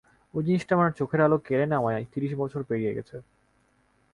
ওই জিনিসটা আমার চোখের আলো কেড়ে নেওয়ার তিরিশ বছর পেরিয়ে গেছে।